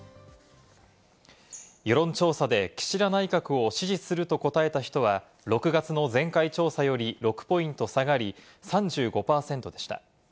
世論調査で岸田内閣を支持すると答えた人は、６月の前回調査より６ポイント下がり、３５％でした。